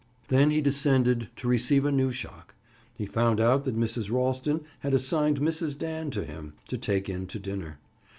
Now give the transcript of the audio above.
Then he descended to receive a new shock; he found out that Mrs. Ralston had assigned Mrs. Dan to him, to take in to dinner.